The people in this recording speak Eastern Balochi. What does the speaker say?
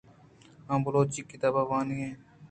آ بلوچی کتاب وان ایت